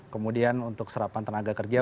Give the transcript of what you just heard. kemudian untuk serapan tenaga kerja